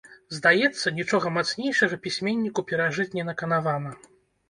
Здаецца, нічога мацнейшага пісьменніку перажыць не наканавана.